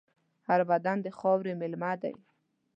هر بدن د خاورې مېلمه دی.